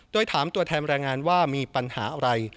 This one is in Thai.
โดยถามตัวแทนแรงงานว่ามีปัญหาอะไร